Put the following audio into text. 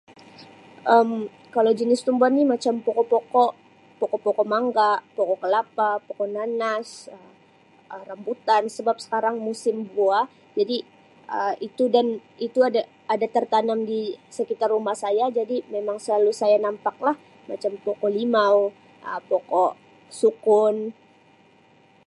Um Kalau jenis tumbuhan ni macam pokok-pokok, pokok-pokok Mangga, pokok Kelapa, pokok Nenas, Um Rambutan, sebab sekarang musim buah jadi Um itu dan itu ada-ada tertanam di sekitar rumah saya jadi memang selalu saya nampak lah macam pokok Limau, Um pokok Sukun.